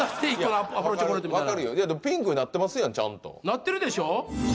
なってるでしょ？